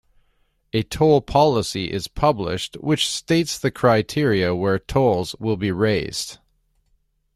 A toll policy is published which states the criteria where tolls will be raised.